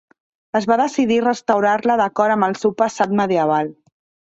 Es va decidir restaurar-la d'acord amb el seu passat medieval.